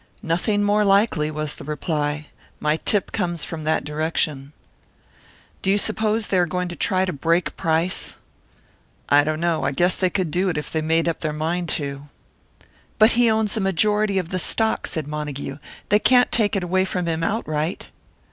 "Nothing more likely," was the reply. "My tip comes from that direction." "Do you suppose they are going to try to break Price?" "I don't know; I guess they could do it if they made up their mind to." "But he owns a majority of the stock!" said Montague. "They can't take it away from him outright."